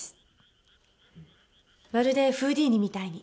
まるでフーディーニみたいに。